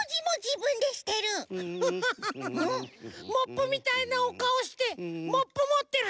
モップみたいなおかおしてモップもってる！